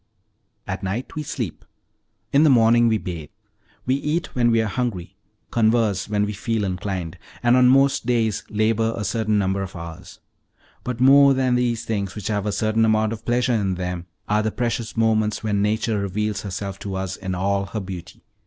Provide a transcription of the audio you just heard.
At night we sleep; in the morning we bathe; we eat when we are hungry, converse when we feel inclined, and on most days labor a certain number of hours. But more than these things, which have a certain amount of pleasure in them, are the precious moments when nature reveals herself to us in all her beauty.